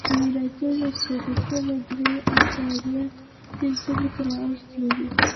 د ولایتونو سرکونه درې اعشاریه پنځه متره عرض لري